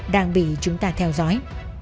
đang bị chúng ta theo dõi